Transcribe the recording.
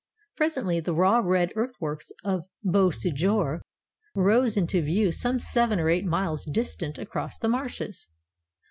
Presently the raw red earthworks of Beauséjour rose into view some seven or eight miles distant across the marshes.